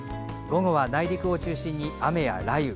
午後は内陸を中心に雨や雷雨。